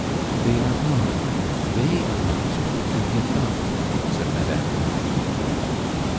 "They are gone. They advise me to give up," said Mme. de Marville.